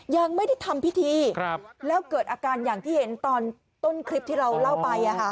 ยังไม่ได้ทำพิธีแล้วเกิดอาการอย่างที่เห็นตอนต้นคลิปที่เราเล่าไป